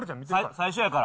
最初やから。